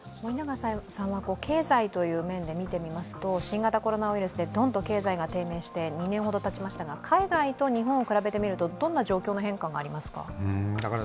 経済という面で見てみますと新型コロナウイルスで経済が低迷して２年ほどたちましたが、海外と日本を比べてみるとどんな状況の変化がありますか？